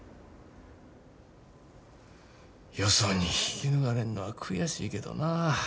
よそに引き抜かれんのは悔しいけどな。